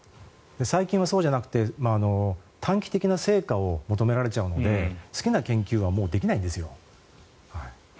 最近はそうじゃなくて短期的な成果を求められちゃうので好きな研究がもうできないんですよ。